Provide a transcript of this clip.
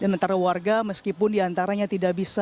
dan antara warga meskipun diantaranya tidak bisa